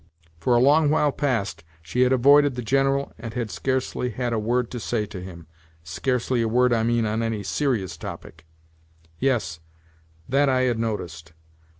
For a long while past she had avoided the General and had scarcely had a word to say to him (scarcely a word, I mean, on any serious topic). Yes, that I had noticed.